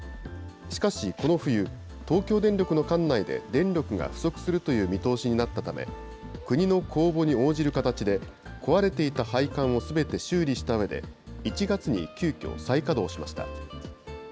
しかし、この冬、東京電力の管内で電力が不足するという見通しになったため、国の公募に応じる形で、壊れていた配管をすべて修理したうえで、１月に急きょ、再稼働しました。